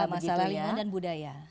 masalah lingkungan dan budaya